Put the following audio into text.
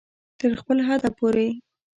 تر خپل حده پورې